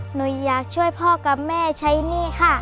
หนูอยากช่วยพ่อกับแม่ใช้หนี้ค่ะ